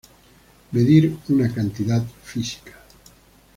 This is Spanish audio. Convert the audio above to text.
Medir una cantidad física.